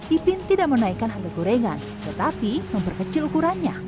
ipin tidak menaikkan harga gorengan tetapi memperkecil ukurannya